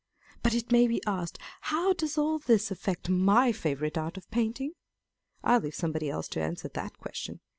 But it may be asked, How does all this affect my favourite art of painting ? I leave some body else to answer that question.